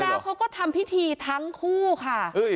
แล้วเขาก็ทำพิธีทั้งคู่ค่ะ